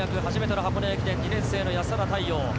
初めての箱根駅伝２年生の安原太陽。